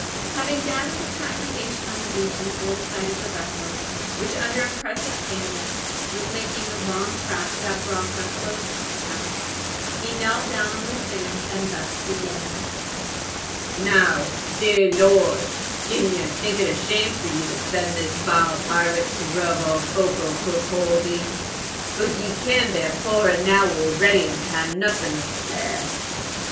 Having gathered his congregation on the beach in full sight of the vessel, which under a press of canvas, was making a long tack that brought her close to the town, he knelt down on the sand and thus began: "Now, dear Lord, dinna ye think it a shame for ye to send this vile pirate to rob our folk o' Kirkaldy; for ye ken they're puir enow already and hae naething to spare.